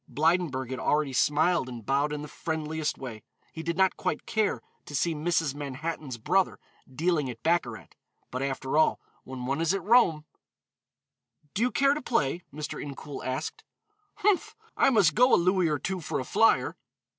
Blydenburg had already smiled and bowed in the friendliest way. He did not quite care to see Mrs. Manhattan's brother dealing at baccarat, but after all, when one is at Rome "Do you care to play?" Mr. Incoul asked. "Humph! I might go a louis or two for a flyer."